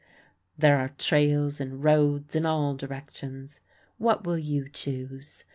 There are trails and roads in all directions. What will you choose?